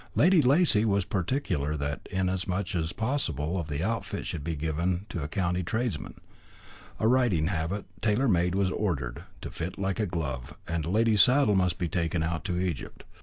Lady Lacy was particular that as much as possible of the outfit should be given to county tradesmen. A riding habit, tailor made, was ordered, to fit like a glove, and a lady's saddle must be taken out to Egypt.